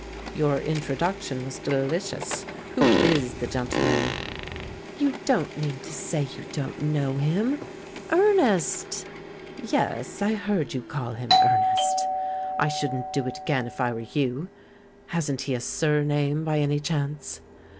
"Your introduction was delicious. Who is the gentleman?" "You don't mean to say you don't know him? —Ernest!" "Yes, I heard you call him 'Ernest.' I shouldn't do it again if I were you. Hasn't he a surname by any chance?"